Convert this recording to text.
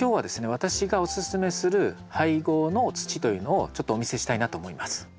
私がおすすめする配合の土というのをちょっとお見せしたいなと思います。